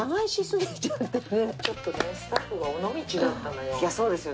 ちょっとねスタッフが尾道だったのよ。